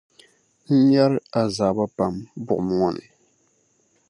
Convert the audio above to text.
n nyari azaaba pam buɣim ŋɔ ni.